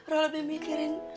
rok lebih mikirin